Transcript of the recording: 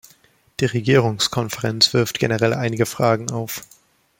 Die Regierungskonferenz wirft generell einige Fragen auf.